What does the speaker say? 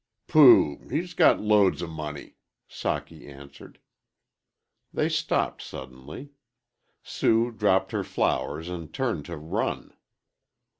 "Pooh! he's got loads of money," Socky answered. They stopped suddenly. Sue dropped her flowers and turned to run.